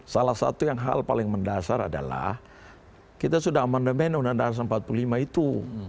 salah satu yang hal paling mendasar adalah kita sudah amandemen undang undang dasar empat puluh lima itu